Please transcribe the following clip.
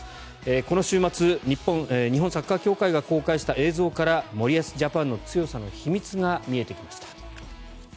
この週末、日本サッカー協会が公開した映像から森保ジャパンの強さの秘密が見えてきました。